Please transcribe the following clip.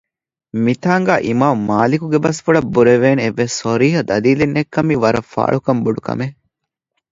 މިތާގައި އިމާމުމާލިކުގެ ބަސްފުޅަށް ބުރަވެވޭނެ އެއްވެސް ޞަރީޙަ ދަލީލެއް ނެތްކަމީ ވަރަށް ފާޅުކަން ބޮޑުކަމެއް